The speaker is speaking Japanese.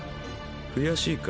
悔しいか？